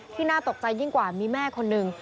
น่าตกใจยิ่งกว่ามีแม่คนหนึ่ง